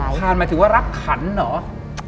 ผ่านหมายถึงว่ารักขันเหรอ